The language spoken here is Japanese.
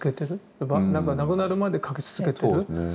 やっぱなんか亡くなるまで描き続けてる。